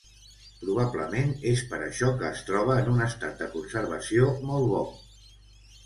Probablement és per això que es troba en un estat de conservació molt bo.